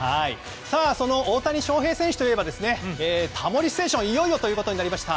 その大谷翔平選手といえば「タモリステーション」いよいよということになりました。